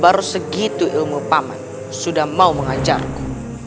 baru segitu ilmu pak man sudah mau mengajarku